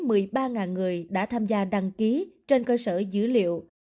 các thử nghiệm lâm sàng ở người với một mươi ba người đã tham gia đăng ký trên cơ sở dữ liệu